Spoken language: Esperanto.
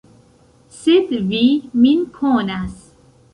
Sed vi min konas.